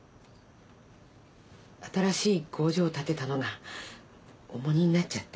新しい工場建てたのが重荷になっちゃって。